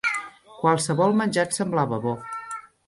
Qualsevol menjar et semblava bo